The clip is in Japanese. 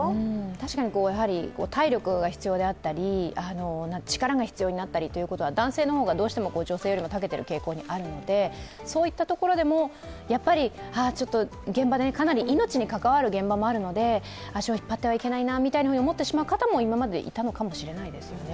確かに体力が必要であったり力が必要になったりということは男性の方がどうしても女性よりたけている傾向があるのでそういったところでも、やっぱり現場で命に関わる現場もあるので足を引っ張ってはいけないなと思ってしまう方も今まで、いたのかもしれないですね